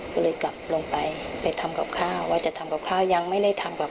ก็เลยกลับลงไปไปทำกับข้าวว่าจะทำกับข้าวยังไม่ได้ทำกับ